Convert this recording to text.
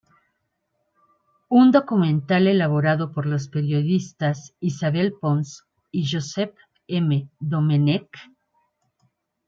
Un documental elaborado por los periodistas Isabel Pons y Josep M. Domenech.